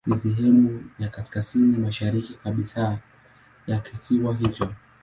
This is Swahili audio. Ni sehemu ya kaskazini mashariki kabisa ya kisiwa hicho.